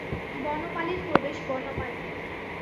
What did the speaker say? বনমালীর প্রবেশ বনমালী।